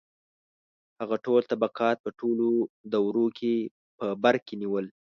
• هغه ټول طبقات په ټولو دورو کې په بر کې نیول.